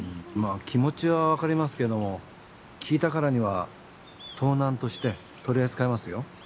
気持ちはわかりますけども聞いたからには盗難として取り扱いますよ。